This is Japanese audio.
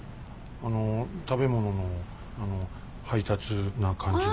あの食べ物のあの配達な感じの。